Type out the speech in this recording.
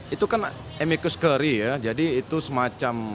itu kan emikus keri ya jadi itu semacam